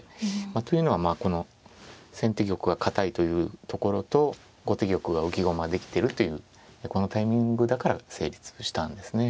というのはまあこの先手玉が堅いというところと後手玉が浮き駒できてるっていうこのタイミングだから成立したんですね。